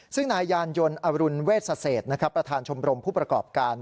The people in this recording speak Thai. ซึ่งนายยานยนต์อรุณเวชเศษประธานชมรมผู้ประกอบการ